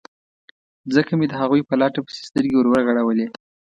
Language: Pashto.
ځکه مې د هغوی په لټه پسې سترګې ور وغړولې.